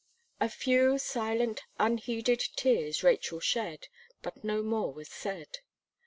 A few silent, unheeded tears Rachel shed, but no more was said.